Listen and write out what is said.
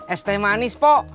es teh manis pok